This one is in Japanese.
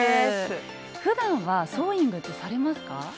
ふだんはソーイングってされますか？